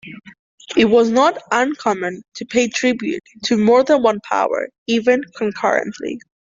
It was not uncommon to pay tribute to more than one power even concurrently.